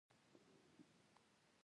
پښتو ژبه د علم، ادب او فرهنګ برخه ده.